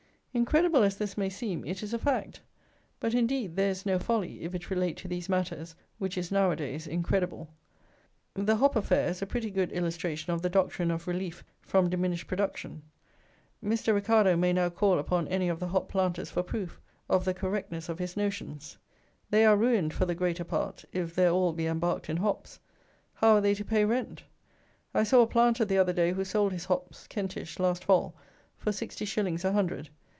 Incredible as this may seem, it is a fact. But, indeed, there is no folly, if it relate to these matters, which is, now a days, incredible. The hop affair is a pretty good illustration of the doctrine of "relief" from "diminished production." Mr. Ricardo may now call upon any of the hop planters for proof of the correctness of his notions. They are ruined, for the greater part, if their all be embarked in hops. How are they to pay rent? I saw a planter the other day who sold his hops (Kentish) last fall for sixty shillings a hundred.